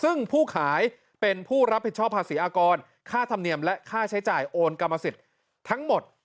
ซึ่งผู้ขายเป็นผู้รับผิดชอบภาษีอากรค่าธรรมเนียมและค่าใช้จ่ายโอนกรรมสิทธิ์ทั้งหมด